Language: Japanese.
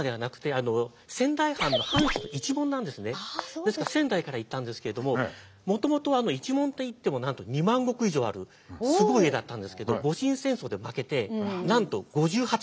ですから仙台から行ったんですけれどももともと一門といってもなんと２万石以上あるすごい家だったんですけど戊辰戦争で負けてなんと５８石になるんです。